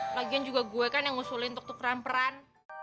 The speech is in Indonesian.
lagian juga gue kan yang ngusulin tuk tuk ramperan